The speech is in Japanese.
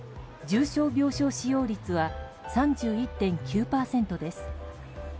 重症病床使用率は３１．９％です。